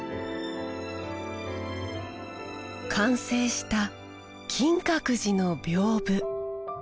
完成した金閣寺の屏風。